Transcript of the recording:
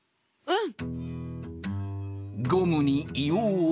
うん！